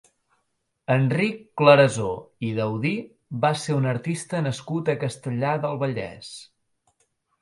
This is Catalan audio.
Enric Clarasó i Daudí va ser un artista nascut a Castellar del Vallès.